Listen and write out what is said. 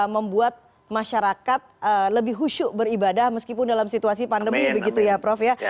membuat masyarakat lebih husyuk beribadah meskipun dalam situasi pandemi begitu ya prof ya